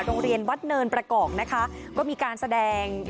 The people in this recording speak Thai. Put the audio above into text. โรงเรียนวัดเนินประกอบนะคะก็มีการแสดง